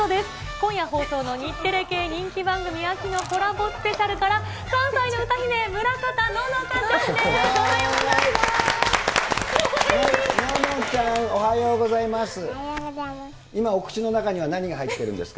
今夜放送の日テレ系人気番組秋のコラボスペシャルから、３歳の歌姫、村方乃々佳ちゃんです。